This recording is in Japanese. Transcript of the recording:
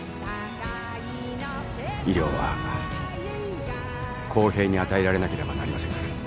医療は公平に与えられなければなりませんから。